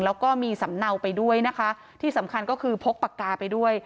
แล้วก็มีสำเนาไปด้วยนะคะที่สำคัญก็คือพกปากกาไปด้วย